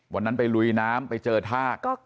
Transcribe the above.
วันนั้นไปลุยน้ำไปเจอทาก